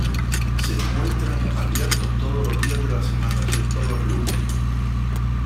Se encuentran abiertos todos los días de la semana, excepto los lunes.